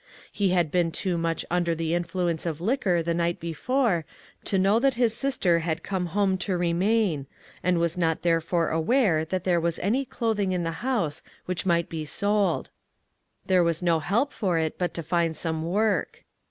He had been too much under the influence of liquor the night before to know that his sister had come home to remain, and was not therefore aware that there was any clothing in the house which might be sold. There was no help for it but to find some work.